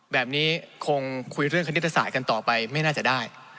แบบนี้คงคุยเรื่องคณิตศาสตร์กันต่อไปไม่น่าจะได้